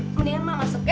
mendingan emak masuk ya